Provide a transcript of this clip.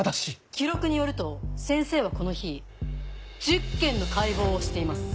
記録によると先生はこの日１０件の解剖をしています。